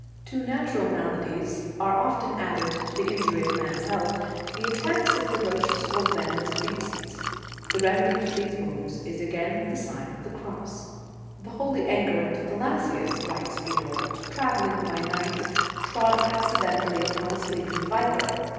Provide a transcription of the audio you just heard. To natural maladies are often added, to the injury of man s health, the attacks of ferocious or venomous beasts. The remedy to those wounds is again the Sign of the Cross. "The holy anchoret Thalassius," writes Theodoret, "travelling by night, trod acci dently upon a sleeping viper.